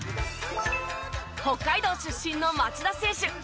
北海道出身の町田選手。